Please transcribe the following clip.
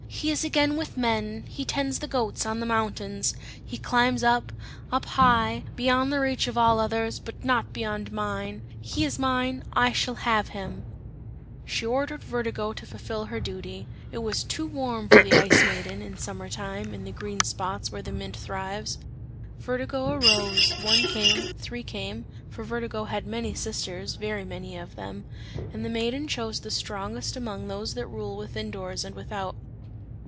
He is again with men, he tends the goats on the mountains; he climbs up, up high, beyond the reach of all others, but not beyond mine! He is mine, I shall have him!" And she ordered Vertigo to fulfil her duty; it was too warm for the Ice Maiden, in summer time, in the green spots where the mint thrives. Vertigo arose; one came, three came, (for Vertigo had many sisters, very many of them) and the Maiden chose the strongest among those that rule within doors and without.